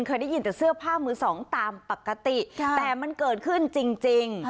เคยได้ยินแต่เสื้อผ้ามือสองตามปกติแต่มันเกิดขึ้นจริง